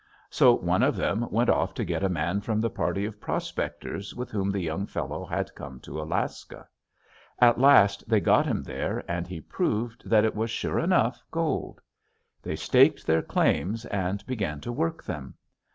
So one of them went off to get a man from the party of prospectors with whom the young fellow had come to Alaska. At last they got him there and he proved that it was sure enough gold. They staked their claims and began to work them.